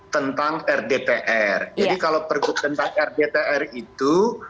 tentang rdtr jadi kalau pergub tentang rdtr itu